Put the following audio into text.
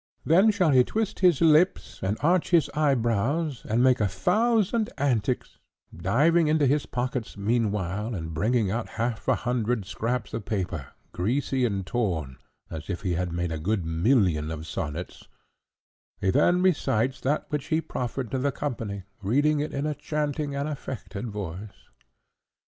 Then shall he twist his lips, and arch his eyebrows, and make a thousand antics, diving into his pockets meanwhile and bringing out half a hundred scraps of paper, greasy and torn, as if he had made a good million of sonnets; he then recites that which he proffered to the company, reading it in a chanting and affected voice.